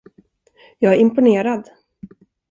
Jag är imponerad.